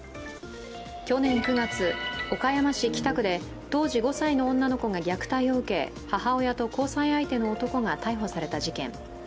去年９月、岡山市北区で当時５歳の女の子が虐待を受け、母親と交際相手の男が逮捕された事件。